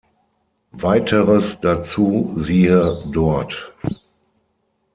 Weiteres dazu siehe dort.